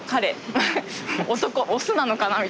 男オスなのかなあ？